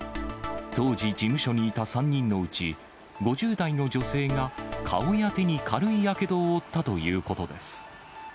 当時、事務所にいた３人のうち、５０代の女性が顔や手に軽いやけどを負ったということです。